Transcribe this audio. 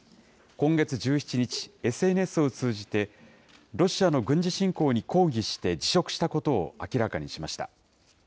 今月１７日、ＳＮＳを通じて、ロシアの軍事侵攻に抗議して辞職したことを明らかにしました。